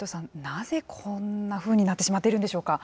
なぜこんなふうになってしまっているんでしょうか。